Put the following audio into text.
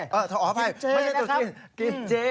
อ๋ออภัยไม่ใช่ตรุษจีนกินเจ๊